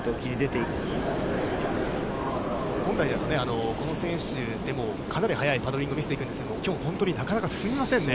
本来だと、この選手でもかなり速いパドリングを見せていくんですけど、きょう本当になかなか進みませんね。